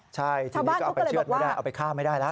ใช่ทีนี้ก็เอาไปเชื่อดไม่ได้เอาไปฆ่าไม่ได้แล้ว